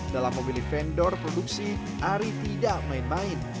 dalam memilih vendor produksi ari tidak main main